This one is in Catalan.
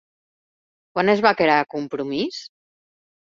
Quan es va crear Compromís?